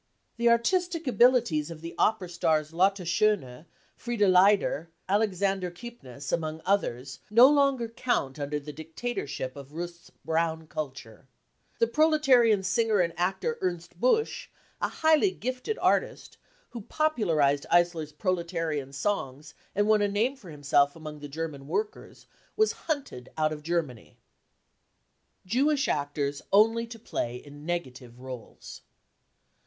The artistic abilities of the opera stars Lotte *Schone, Frieda Leider, Alexander Kipnis, among others, no longer count under the dictatorship of Rust's Brown culture. The THE CAMPAIGN AGAINST CULTURE 183 proletarian singer arid actor Ernst Busch, a highly gifted artist, who popularised Eisler's proletarian songs and won a name for himself among the German workers, was hunted out of Germany. Jewish Actors only to play in negative roles.